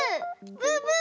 ブーブー！